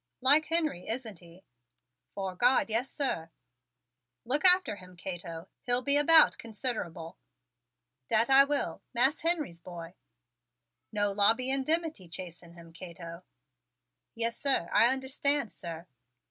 "Like Henry, isn't he?" "'Fore God, yes, sir!" "Look after him, Cato. He'll be about considerable." "Dat I will Mas' Henry's boy!" "No lobbying dimity chasing him, Cato!" "Yes, sir; I understands, sir."